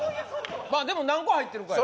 まあでも何個入ってるかよ